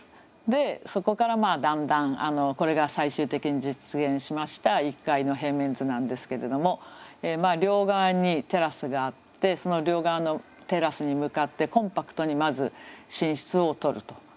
でそこからだんだんこれが最終的に実現しました１階の平面図なんですけれども両側にテラスがあってその両側のテラスに向かってコンパクトにまず寝室を取ると。